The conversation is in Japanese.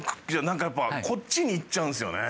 なんかやっぱこっちにいっちゃうんすよね。